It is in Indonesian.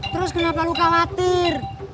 terus kenapa lu khawatir